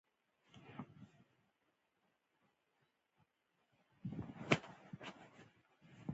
هغه د انسان په مفکورو کې پر پټو زرو نه پوهېده.